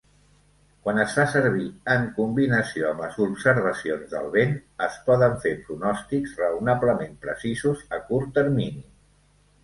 Quan es fa servir en combinació amb les observacions del vent, es poden fer pronòstics raonablement precisos a curt termini.